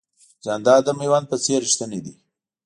جانداد د مېوند په څېر رښتینی دی.